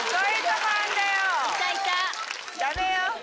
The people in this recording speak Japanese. ダメよ。